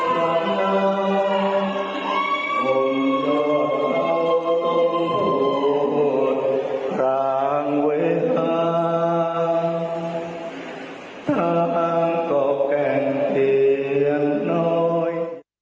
ก็ต้องพูดรังเวลาทางก็แกล้งเทียนหน่อย